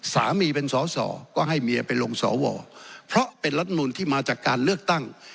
สามีเป็นสอสอก็ให้เมียไปลงสวเพราะเป็นรัฐมนุนที่มาจากการเลือกตั้ง